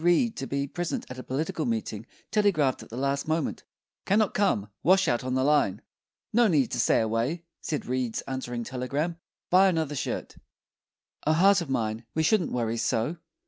Reed to be present at a political meeting telegraphed at the last moment: "Cannot come; washout on the line." "No need to stay away," said Reed's answering telegram; "buy another shirt." O heart of mine, we shouldn't Worry so!